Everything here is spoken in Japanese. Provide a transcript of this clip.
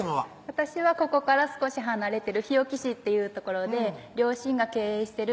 私はここから少し離れてる日置市っていう所で両親が経営してる